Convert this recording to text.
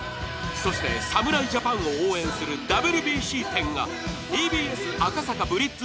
侍ジャパンを応援するＷＢＣ展がＴＢＳ赤坂ＢＬＩＴＺ